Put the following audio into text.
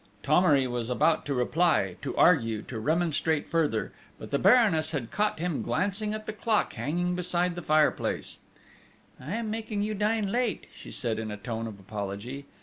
Thomery was about to reply, to argue, to remonstrate further, but the Baroness had caught him glancing at the clock hanging beside the fireplace: "I am making you dine late," she said in a tone of apology.